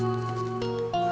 oh ini ada